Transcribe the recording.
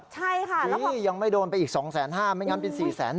ใช่ค่ะยังไม่โดนไปอีก๒๕๐๐๐๐บาทไม่งั้นเป็น๔๐๑๐๐๐บาทนะ